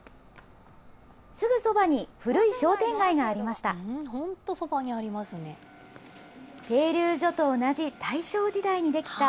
すぐそばに古い商店街がありました。